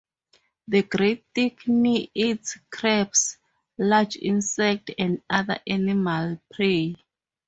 The great thick-knee eats crabs, large insects, and other animal prey.